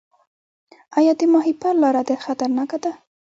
آیا د ماهیپر لاره خطرناکه ده؟